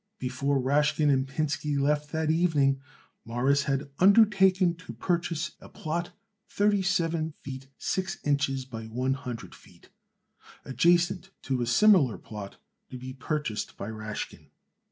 Before Rashkin and Pinsky left that evening, Morris had undertaken to purchase a plot thirty seven feet six inches by one hundred feet, adjacent to a similar plot to be purchased by Rashkin.